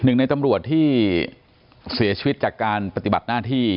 ในตำรวจที่เสียชีวิตจากการปฏิบัติหน้าที่